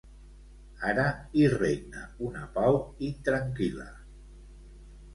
Ara hi regna una pau intranquil·la.